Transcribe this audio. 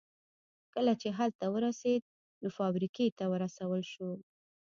کله چې هلته ورسېد نو فابريکې ته ورسول شو.